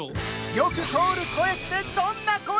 よく通る声ってどんな声？